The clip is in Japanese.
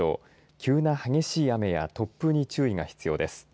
急な激しい雨や突風に注意が必要です。